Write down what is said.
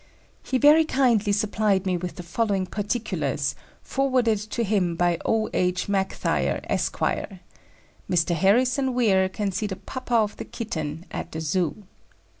He very kindly supplied me with the following particulars forwarded to him by O. H. Mactheyer, Esq.: "Mr. Harrison Weir can see the papa of the kitten at the Zoo.